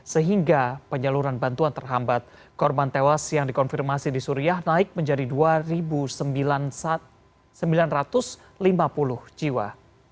sehingga penyaluran bantuan terhambat korban tewas yang dikonfirmasi di suriah naik menjadi dua sembilan ratus lima puluh jiwa